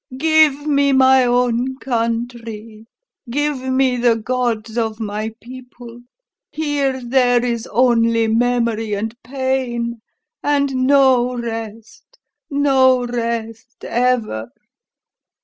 Give me my own country give me the gods of my people; here there is only memory and pain, and no rest, no rest ever!"